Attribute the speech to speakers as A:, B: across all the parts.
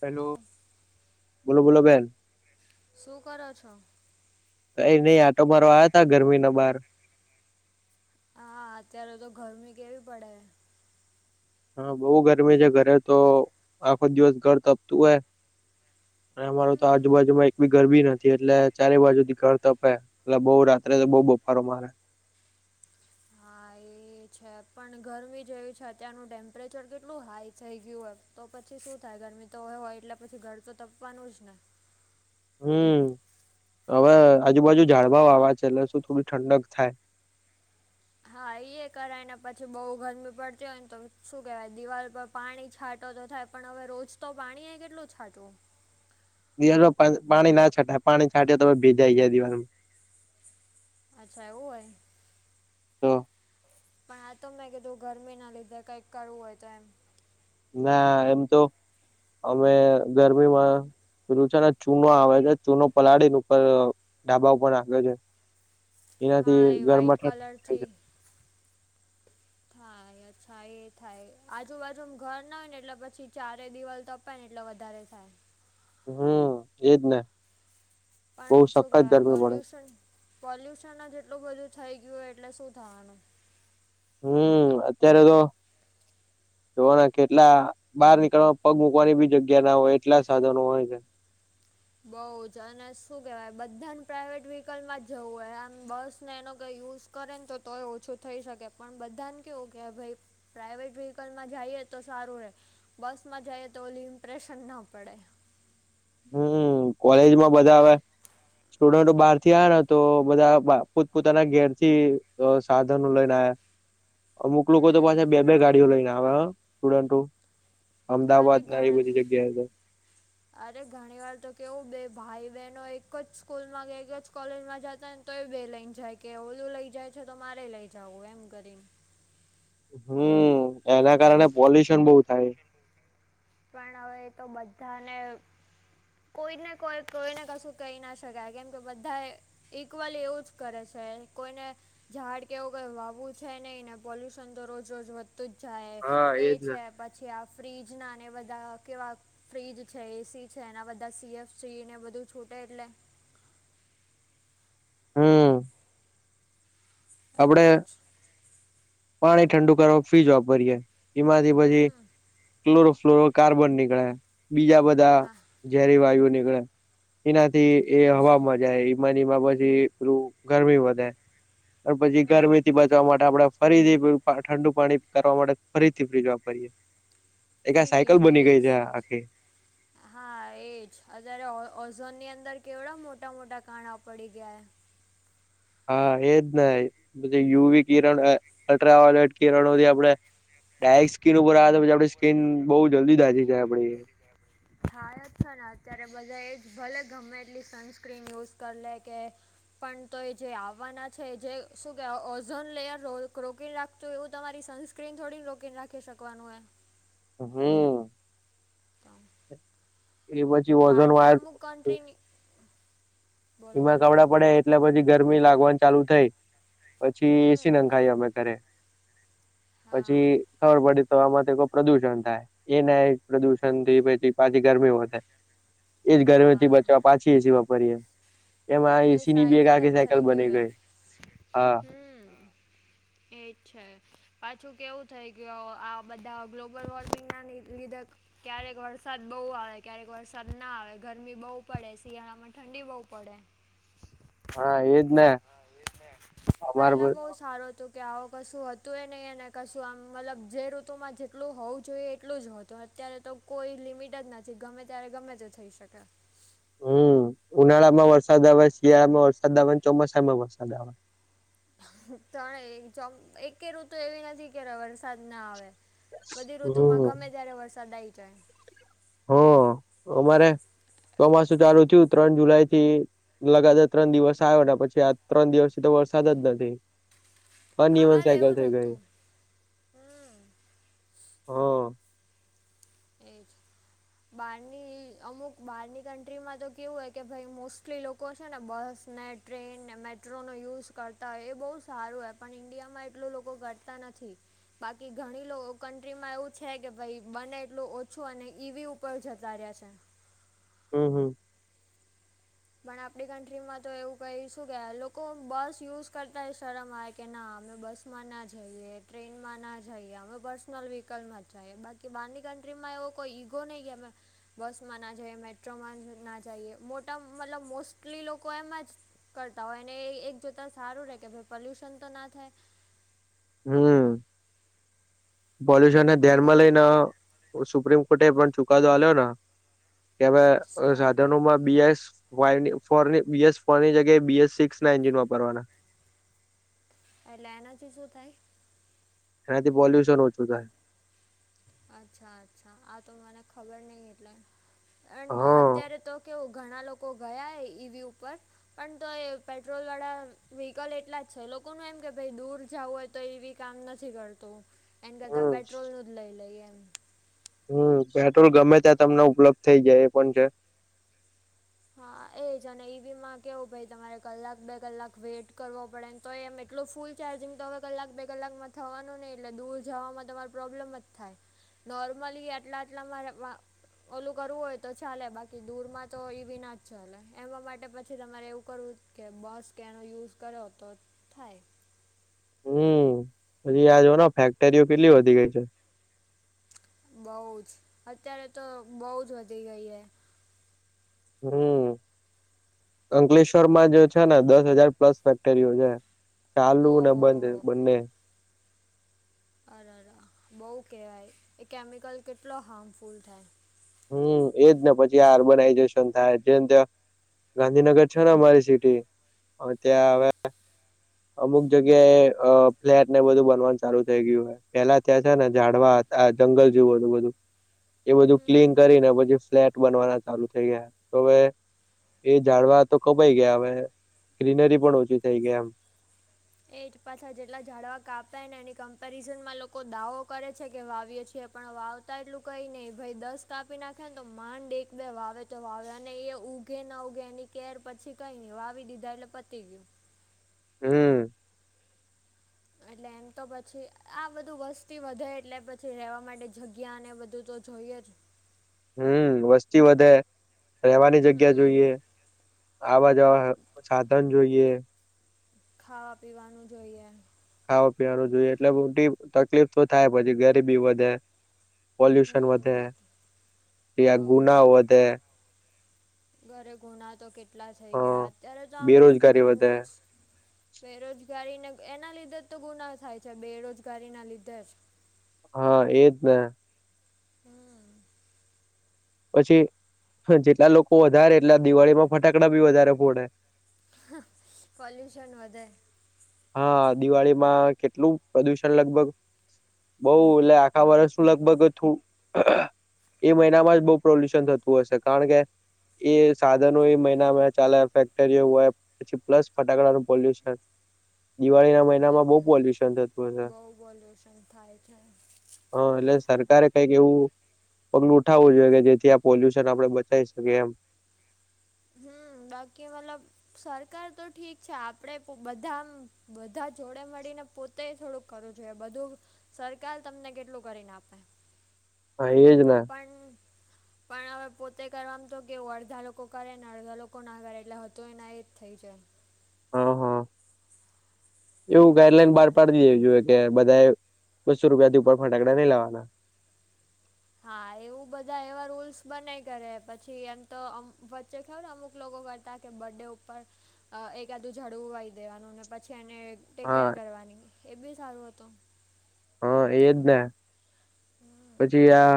A: Hello બોલો બોલો બેન.
B: શું કરો છો?
A: કઈ નહી આટો મારવા આયા તા ગરમી ના બહાર.
B: હા અત્યારે તો ગરમી કેવી પડે
A: હા બહુ ગરમી છે ઘરે તો આખો દિવસ ઘર તપતું હોય. અને અમાર તો
B: હમ
A: આજુબાજુમાં એક બી ઘર ભી નથી એટલે ચારે બાજુથી ઘર તપે. એટલે બઉ રાત્રે તો બહુ બપોર મા
B: હા એ છે પણ ગરમી જેયું છે અત્યારનું ટેમ્પરેચર કેટલું હાઈ થઇ ગયું હોય. તો પછી શું થાય ગરમી તો હોય એટલે પછી ઘર તો તપવાનું જ ને.
A: હમ્મ હવે આજુબાજુ ઝાડવા વાવા છે એટલે શું થોડી ઠંડક થાય.
B: હા એ કરાય ને પછી બઉ ગરમી પડતી હોય ને તો શું કેવાય દિવાલ પર પાણી છાંટો તો થાય પણ હવે રોજ તો પાણી એ કેટલું છાંટવું.
A: દિવાલમાં પાણી ના છાંટય પાણી છાટય તો ભીજાય જાય દિવાલ.
B: અચ્છા એવું હોય.
A: તો
B: પણ આ તો મેં કીધું ગરમી ના લીધે કઈક કરવું હોય તો એમ.
A: ના એમ તો અમે ગરમીમાં પહેલું છે ને ચૂનો આવે છે ચૂનો પલાળી ઉપર ઢાબા ઉપર નાખે છે. એનાથી
B: હા એ
A: ઘરમાં
B: વાઈટ
A: ઠંડી
B: કલરથી હા અચ્છા એ થાય આજુબાજુમ ઘર ના હોય ને એટલે પછી ચારે દિવલ તો પણ એટલો વધારે થાય.
A: હામ એજ ને. બહુ
B: પણ શું
A: સખત
B: કેહેવાય
A: ગરમી પડે
B: પોલ્યુશન પોલ્યુશન જેટલું બધું થઈ ગયું હોય એટલે શું થવાનું.
A: હમ, અત્યારે તો. જોવાના કેટલા બહાર નીકળવા પગ મુકવાની બી જગ્યા ના હોય એટલા સાધનો હોય છે.
B: બઉ જ અને શું કેહેવાય બધાને પ્રાઇવેટ વ્હીકલમાં જવું હોય આમ બસ ને એનો કઈ યુઝ કરેને તો તોય ઓછું થઈ શકે પણ બધાને કેવું કે ભાઈ પ્રાઇવેટ વ્હીકલમાં જઈએ તો સારું રે. બસમાં જઈએ તો ઓલી ઇમ્પ્રેશન ના પડે‌.
A: હમ, કોલેજમાં બધાં આવે? સ્ટુડન્ટો બહારથી આ ને તો બધા પોતપોતાના ઘેરથી સાધનો લઈને આવે, અમુક લોકો તો
B: હમ
A: પાછા બે-બે ગાડીઓ લઈને આવે સ્ટુડન્ટ.
B: અરે ઘણા. અરે ઘણી વાર તો કેવું બે ભાઈ-બહેનો એક જ સ્કૂલમાં કે, એક જ કોલેજમાં જતા તો એ બે લઈને જાય કે, ઓલું લઈ જાય છે, તો મારે લઈ જવું એમ કરીને.
A: હમ, એના કારણે પોલ્યુશન બહુ થાય.
B: પણ હવે તો બધાને. કોઈને કોઈ, કોઈને કશું કહી ના શકાય, કેમ કે બધાએ ઈક્વલ એવું જ કરે છે, કોઈને ઝાડ કેવું કઈ વાવું છે નહી ને, પોલ્યુશન તો રોજ-રોજ વધે. તું જ જાય
A: હા
B: એ
A: એજ ને
B: છે. ફ્રીજ ના બધા કેવા ફ્રીજ છે, એસી છે, એના દસ સીએફ સઈ ને, બધું છૂટે એટલે.
A: હમ. આપડે
B: એટલે જ
A: પાણી ઠંડુ કરવા ફ્રીજ વાપરીયએ. એમાંથી પછી
B: હમ
A: ક્લોરોફ્લોરો કાર્બન નીકળ્યા બીજા બધા.
B: હા
A: ઝેરી વાયુ નીકળે, એનાથી એ હવામાં. જાય. ઈમાન માં પછી પેલું ગરમી વધે. પછી
B: હમ
A: ગરમીથી બચવા માટે, આપણેે ફરીથી ઠંડુ પાણી કરવા માટે, ફરીથી ફ્રીજ વાપરીયએ. એક આ સાયકલ
B: ફ્રીજ ને
A: બની ગઈ છે
B: એસી
A: આખી.
B: હા, એ જ. અત્યારે ઓઝોન ની અંદર કેવડા મોટા-મોટા કાણા પડી ગયા.
A: હા, એજ ને, પ યુવી કિરણ અલ્ટ્રાવાયોલેટ કિરણોથી આપડે. ડાયરેક્ટ સ્કીન ઉપર આવે તો, પછી આપે સ્કીન બઉુ જલ્દી બાજી જાય, આપડી
B: થાય છે ને, અત્યારે બધા એજ ભલે ગમે એટલી સનસ્ક્રીન યુઝ કરી લે કે. પણ તો એ જે આવવાના છે, જે શું કેવા ઓઝોન લેયર રોકી લખ તો એવું તમારી સનસ્ક્રીન થોડીને, રોકીને, રાખી શકવાનું હો.
A: હમ.
B: તો
A: એ પછી વજન
B: બહારની
A: વાયર
B: અમુક કન્ટ્રીની. બોલો
A: એમાં
B: બોલો
A: કપડાં પડ્યા, એટલે પછી ગરમી લાગવાની ચાલુ થઈ. પછી એસી
B: હમ
A: નાંખાઈ અમે કરે,
B: હા
A: પછી ખબર
B: પણ
A: પડી. તોમાં પ્રદુષણ થાય, એ ના પ્રદુષણ થી પી પાછી ગરમી હો થાય. એજ ગરમેથી
B: હા
A: બચવા, પાછી એસી વાપરીએ. એમાં
B: એ
A: એસી ની બે
B: સાયકલ જ
A: આખી
B: થઇ
A: સાયકલ બની
B: ગયા,
A: ગઈ હા
B: હ, હમ. એ અચ્છા. પાછું કેવું થાય કે, આ બધા ગ્લોબલ વોર્મિંગ ના લીધે. ક્યારેક વરસાદ બહુ આવે, ક્યારેક વરસાદ ના આવે, ગરમી બહુ પડે, શિયાળા માં ઠંડી બહુ પડે.
A: હા, એજ ને. અમાર
B: પેલા બહ સારું હતું કે આવો કશું હતું એ નહીં એ ને કશું આમ મતલબ જે ઋતુમાં જેટલું હોવું જોઈએ એટલું જ હતું. તો અત્યારે તો કોઈ લિમિટ જ નથી ગમે ત્યારે ગમે તો થઈ શકે.
A: હમ ઉનાળા માં વરસાદ આવે શિયાળામાં વરસાદ આવે ચોમાસા માં વરસાદ આવે.
B: તણે એકેરું તો એવી નથી કે વરસાદ ના આવે. બધી ઋતુ માં
A: હમ
B: ગમે ત્યારે વરસાદ આ આવી જાય.
A: હ અમારે ચોમાસું ચાલુ થયું ત્રણ જુલાઈ થી. લગાતાર ત્રણ દિવસ આવ્યો પછી આ ત્રણ દિવસથી તો વરસાદ જ નથી.
B: [inaudible]
A: અનીયમન
B: અમારે
A: સાયકલ
B: એવું જ
A: થઈ ગઈ,
B: હતું હમ
A: હા.
B: એક બહારની અમુક બહારની કન્ટ્રીમાં તો કેવું હોય કે ભાઈ મોસ્ટલી લોકો છે ને બસ નેટ ટ્રેન ને મેટ્રોનો યુઝ કરતા હોય એ બહુ સારું હોય પણ ઈન્ડિયામાં એટલું લોકો કરતા નથી. બાકી ઘણીલો ઓ કન્ટ્રીમાં એવું છે કે ભાઈ બને એટલો ઓછો અને ઈવી ઉપર જતા રહ્યા છે.
A: હમ્મ હમ્મ.
B: પણ આપડી કન્ટ્રી માં તો એવું કહીશું કે લોકો બસ યુઝ કરતા શરમ આવે કે ના અમે બસ માં ના જઈએ ટ્રેનમાં ના જઈએ અમે પર્સનલ વ્હીકલમાં જઈએ બાકી બારની કન્ટ્રી રીમાં એવો કોઈ ઈગો નહીં કે બસમાં ના જઈએ મેટ્રોમાં ના જઈએ મોટા મતલબ મોસ્ટલી લોકો એમાં જ કરતા હોય એને એ એક જોતાં સારું રહે કે ભાઈ પોલ્યુશન તો ના થાય.
A: હમ્મ,
B: પણ
A: પોલ્યુશનને ધ્યાનમાં
B: અહીંયા તો
A: લઈન અ સુપ્રીમ કોર્ટે એ પણ ચુકાદો આલ્યો ન, કે હવે
B: શું આપણે
A: સાધનોમાં બી એસ બોયની ફોરની બીએસ ફોરની જગ્યાએ બીએસ સિક્સ ના એન્જિન વાપરવાના.
B: એટલે એનાથી શું થાય?
A: એનાથી પોલ્યુશન ઓછું થાય.
B: અચ્છા અચ્છા આ તો મને ખબર નહિ એટલે. અને
A: હા
B: અત્યારે તો કેવું ઘણા લોકો ગયા ઈ વી ઉપર. પણ તો એ પેટ્રોલ વાળા વ્હીકલ એટલા જ છે લોકોનું એમ કે ભાઈ દૂર જાવું હોય તો ઈવી કામ નથી કરતું, એન કરતા
A: હમ
B: પેટ્રોલ નું જ લઈ લઈએ એમ.
A: હમ્મ પેટ્રોલ ગમે ત્યાં તમને ઉપલબ્ધ થઇ જાય એ પણ છે.
B: હા એજ અને ઈવી માં કેવું ભાઈ તમારે કલાક બે કલાક વેટ કરવો પડે ન. તો એમ એટલો ફૂલ ચાર્જિંગ તો હવે કલાક બે કલાકમાં થવાનું નહી એટલે દૂર જવામાં તમારે પ્રોબ્લેમ જ થાય. નોર્મલી આટલા આટલા મારે ઓલું કરવું હોય તો ચાલે બાકી દૂરમાં તો ઈ વિના જ ચાલે એમાં માટે પછી તમારે એવું કરવું કે બસ કે એનો યુઝ કર્યો તો. થાય.
A: હમ્મ, પછી આ જો ફેક્ટરીઓ કેટલી વધી ગઈ છે.
B: બહું જ, અત્યારે તો બહુ જ વધી ગઈ હે.
A: હમ્મ. અંકલેશ્વર માં જે છે ને દસ હજાર પ્લસ ફેક્ટરીઓ છે. ચાલુ ને
B: ઓહો
A: બંધ બંને.
B: અરર, બહુ કહેવાય એ કેમિકલ કેટલો હાર્મફુલ થાય.
A: હમ્મ એજ ને પછી આ અર્બનાઈઝેશન થાય, જેમ તો ગાંધીનગર છે ને અમારી સિટી, હા ત્યાં
B: હમ
A: હવે અમુક જગ્યાએ અ ફ્લેટ ને બધું બનવાનું ચાલુ થઇ ગયું હે. પેહલા ત્યાં છે ને ઝાડવા હતા જંગલ જેવું હધું બધું એવું બધું,
B: હમ
A: ક્લીન કરીને પછી ફ્લેટ બનવાના ચાલુ થઈ ગયા તો હવે, એ ઝાડવા તો કપાઈ ગયા હવે ગ્રીનરી પણ ઓછી થઈ ગઈ એમ.
B: એ જ પાછા જેટલા ઝાડવા કાપાય ને એની કમ્પેરિઝનમાં લોકો દાવો કરે છે કે વાવી છીએ પણ વાવ એટલું કઈ નહી ભાઈ દસ કાપી નાખે ને તો માંડ એક બે વાવે તો વાવે અને એ ઉઘે ના ઉઘે એની ક કેર પછી કઈ નહી વાવી દીધા એટલે પતી ગયું.
A: હમ્મ.
B: એટલે એમ તો પછી આ બધું વસ્તી વધે એટલે પછી રહેવા માટે જગ્યા ને બધું તો, જોઈએ જ,
A: હમ્મ વસ્તી વધે, રહેવાની જગ્યા
B: હમ
A: જોઈએ. આવા જવા સાધન જોઈએ.
B: ખાવા પીવાનું જોઈએ.
A: ખાવા પીવાનું જોઈએ એટલે મોટી તકલીફ તો થાય પછી ગરીબી વધે. પોલ્યુશન
B: હમ
A: વધે,
B: બધું
A: તે આ
B: બહુ જ
A: ગુનાઓ વધે,
B: ઘરે ગુના તો કેટલા થઈ
A: અ
B: ગયા અત્યારે તો આમ
A: બેરોજગારી વધે
B: ઘ બેરોજગારીને એના લીધે જ તો ગુના થાય છે બેરોજગારી ના લીધે જ,
A: હા એજ ને,
B: હમ
A: પછી જેટલા લોકો વધારે એટલા દિવાળીમાં ફટાકડા બી વધારે ફોડે.
B: પોલ્યુશન વધે.
A: હા દિવાળી માં કેટલું પ્રદુષણ લગભગ. બઉ લે આખા વરસ લગભગ થો, એ મહિનામાં જ બો પ્રોલ્યુશન થતું હશે કારણ કે, એ સાધનો
B: હમ
A: એ મહિનામાં ચાલે ફેક્ટરીઓ હોય પછી પ્લસ ફટાકડાનું પોલ્યુશન. દિવાળીના
B: હા એ
A: મહિનામાં બો
B: બહુ
A: પોલ્યુશન થતું હશે.
B: બહુ પોલ્યુશન થાય છે
A: હ એટલે સરકારે કઈક એવું, પગલું ઉઠાવું જોઈએ કે જેથી આ પોલ્યુશન આપડે બચાઇ શકીએ એમ.
B: હું બાકી મતલબ, સરકાર તો ઠીક છે આપડે બ બધામ બધા જોડે મળીને, પોતે થોડુંક કરવું જોઈએ બધું સરકાર તમને કેટલું કરીને આપે.
A: હા એજ ને,
B: પણ, પણ હવે પોતે કરવામ તો કેવું અડધા લોકો કરે ને અડધા લોકો ના કરે એટલે હતું એના એ જ થઈ જાય.
A: હા હા
B: એ
A: એવું
B: વાંધો
A: ગાઈડલાઈન બાર
B: પડે
A: પાડી દેે જોએ. કે બધાએ બસ્સો રૂપિયા થી ઉપર ફટાકડા નઈ લાવાના.
B: હા એવું બધા એવા રૂલ્સ બનાય કરે પછી એમ તો અમ વચ્ચે ખવ ને અમુક લોકો કરતા, કે બરડે ઉપર એકાદું ઝાડવું વાઈ દેવાનું ને પછી એને, ટેક કેર
A: હા
B: કરવાની એ બી સારું હતું.
A: હા એજ ને
B: હમ.
A: પછી આ,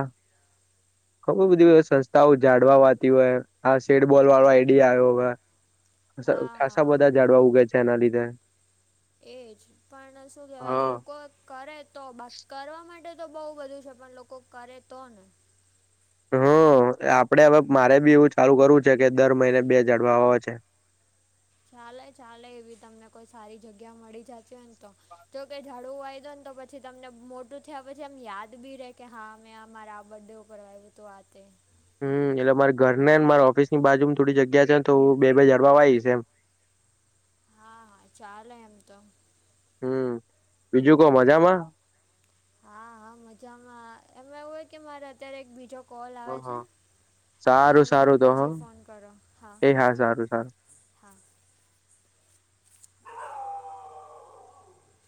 A: ખબર બધીધ સંસ્થાઓ ઝાડવા વાતી હોય આ સેડબોલ વાળો આઈડીયા આયો હે,
B: હા
A: ખાસા
B: હા
A: બધા ઝાડવા ઉગે છે એના લીધે.
B: એજ પણ શું કેવાય
A: હા
B: લોકો, કરે તો બાકી કરવા માટે તો બઉ બધું છે પણ લોકો કરે તો ને,
A: હ આપડે અવે મારે બી એવું ચાલુ કરવું છે કે દર મહિને બે ઝાડવા વાવા છે.
B: ચાલે ચાલે એવી તમને કોઈ સારી જગ્યા મળી જાતી હોય ને તો, જોકે ઝાડવું વાય દો ને તો પછી તમને મોટું થયા પછી આમ યાદ બી રે કે હા મેં આ મારા બરડે ઉપ પર વાયુ તું આ તે.
A: હું એટલે મારે ઘરને ન મારા ઓફિસની બાજુમાં થોડી જગ્યા છે તો હું બે બે ઝાડવા વાઈશ એમ.
B: હા હા ચાલે એમ તો.
A: બીજું કો મજામાં?
B: હા હા મજામાં એમાં એવું ઓય કે મારે અત્યારે એક બીજો કોલ
A: હ
B: આવે
A: હ
B: છે તો
A: સારું
B: હું તમને
A: સારું તો
B: પછી ફોન
A: હ
B: કરો હા.
A: એ સારું સારું
B: હા.